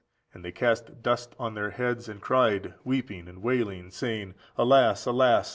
And they cast dust on their heads, and cried, weeping and wailing, saying, Alas, alas!